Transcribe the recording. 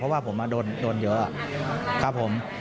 เพราะว่าผมโดนเยอะครับผม